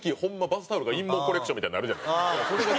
バスタオルが陰毛コレクションみたいになるじゃないですか。